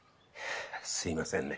すみませんね。